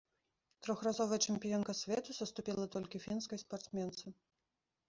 Трохразовая чэмпіёнка свету саступіла толькі фінскай спартсменцы.